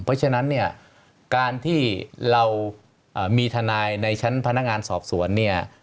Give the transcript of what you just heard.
เพราะฉะนั้นเนี่ยการที่เรามีทนายในชั้นพนักงานสอบสวนเนี่ย